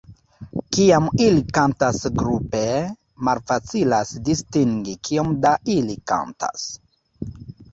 Kiam ili kantas grupe, malfacilas distingi kiom da ili kantas.